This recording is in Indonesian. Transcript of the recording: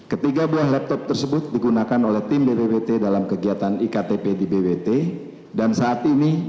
ketiga buah laptop tersebut digunakan oleh tim bbwt dalam kegiatan iktp di bwt dan saat ini